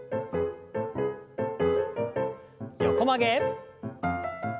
横曲げ。